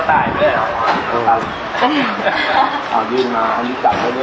ไปกับตายไม่ได้หรอ